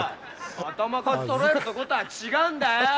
頭数揃えるとことは違うんだよ！